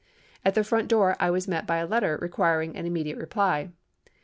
At the front door I was met by a letter requiring an immediate reply.